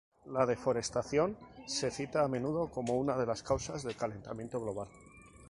La deforestación se cita a menudo como una de las causas del calentamiento global.